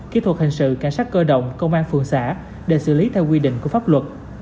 kỹ thuật hình sự cảnh sát cơ động công an phường xã để xử lý theo quy định của pháp luật